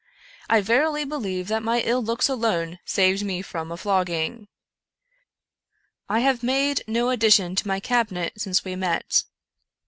I verily believe that my ill looks alone saved me a flogging. " I have made no addition to my cabinet since we met.